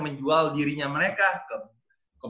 menjual dirinya mereka ke